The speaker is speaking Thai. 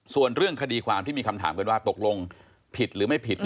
ส่วนเรื่องคดีความที่มีคำถามกันว่าตกลงผิดหรือไม่ผิด